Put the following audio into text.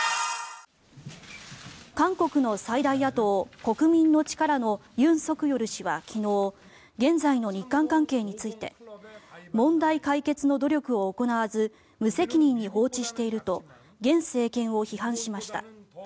韓国の最大野党・国民の力のユン・ソクヨル氏は昨日現在の日韓関係について問題解決の努力を行わず無責任に放置していると現政権を批判しました。